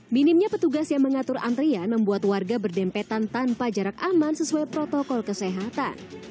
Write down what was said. minimnya petugas yang mengatur antrian membuat warga berdempetan tanpa jarak aman sesuai protokol kesehatan